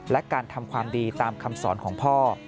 และการทำความดีตามคำสอนของพ่อ